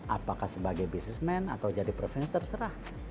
apakah sebagai businessman atau jadi provincer terserah